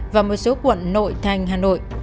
và một số quận nội thành hà nội